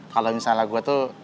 kalau misalnya gue tuh